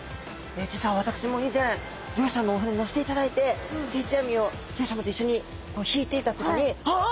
実は私も以前漁師さんのお船に乗せていただいて定置網を漁師さまと一緒に引いていた時にああ！